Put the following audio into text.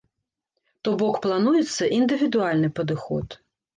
То бок плануецца індывідуальны падыход.